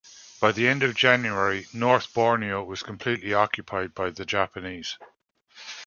By the end of January, North Borneo was completely occupied by the Japanese.